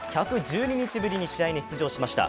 １１２日ぶりに試合に出場しました。